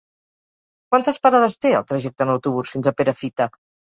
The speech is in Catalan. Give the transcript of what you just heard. Quantes parades té el trajecte en autobús fins a Perafita?